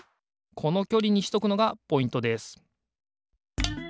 このきょりにしとくのがポイントです